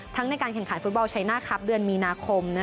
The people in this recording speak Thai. ทั้งในการแข่งขันฟส์บอลชัยนาทครับเดือนมีนาคม